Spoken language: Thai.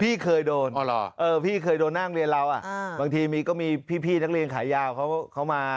พี่เคยโดนพี่เคยโดนหน้าโรงเรียนเราบางทีมีก็มีพี่นักเรียนขายาวเขามา